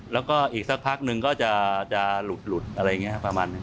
แล้วก็อีกสักพักนึงก็จะหลุดอะไรเงี้ยครับประมาณนั้น